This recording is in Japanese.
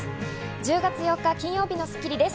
１０月８日、金曜日の『スッキリ』です。